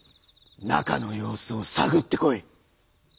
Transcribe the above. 中の様子を探ってこい！」。